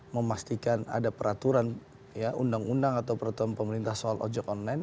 memastikan ada peraturan undang undang atau peraturan pemerintah soal ojek online